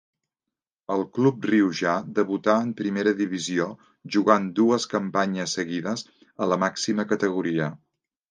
Al club riojà debuta en primera divisió jugant dues campanyes seguides a la màxima categoria.